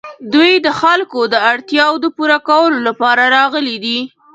دوی د خلکو د اړتیاوو د پوره کولو لپاره راغلي دي.